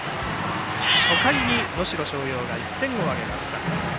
初回に能代松陽が１点を挙げました。